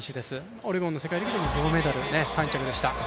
オレゴンの世界陸上も銅メダル３着でした。